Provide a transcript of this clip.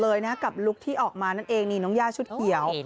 เลยนะกับลุคที่ออกมานั่นเองนี่น้องย่าชุดเขียว